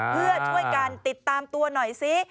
เพื่อช่วยกันติดตามตัวหน่อยซิ